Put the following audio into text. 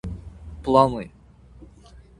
планы